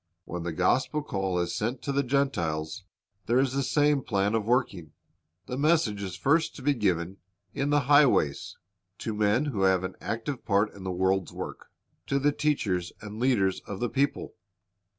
When the gospel call is sent to the Gentiles, there is the same plan of working. The message is first to be given "in the highways," — to men who have an active part in the world's work, to the teachers and leaders of the people.